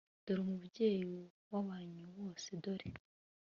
dore umubyeyi w'abanyu bose, dore